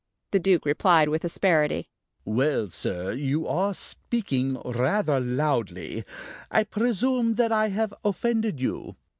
The Duke replied with asperity: "Well, sir. You are speaking rather loudly. I presume that I have offended you?"